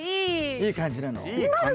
いい感じなの？